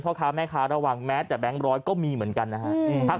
พ่อค้าแม่ค้าระวังแม้แต่แบงค์ร้อยก็มีเหมือนกันนะครับ